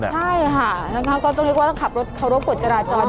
ใช่ค่ะก็ต้องเรียกว่าต้องขับรถเคารพกฎจราจร